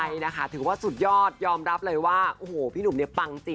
เยอะไปเลย